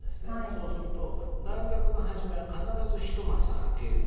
そうすると段落の始めは必ず一マスあける。